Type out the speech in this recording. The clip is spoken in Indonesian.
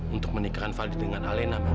untuk menikahkan valdo dengan alena